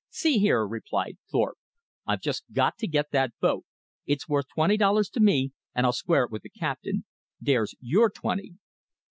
"See here," replied Thorpe, "I've just got to get that boat. It's worth twenty dollars to me, and I'll square it with the captain. There's your twenty."